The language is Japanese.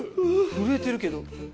震えてるけど？